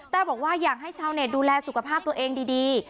แต่บอกว่าอยากให้ชาวเน็ตดูแลสุขภาพตัวเองดี